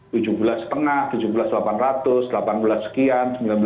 rp tujuh belas lima ratus rp tujuh belas delapan ratus rp delapan belas sekian